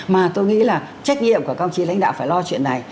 mà tôi nghĩ là trách nhiệm của các ông chí lãnh đạo phải lo chuyện này